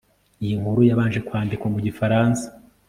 iyi nkuru yabanje kwandikwa mu gifaransa